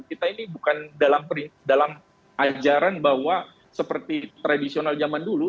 kita ini bukan dalam ajaran bahwa seperti tradisional zaman dulu